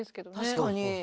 確かに。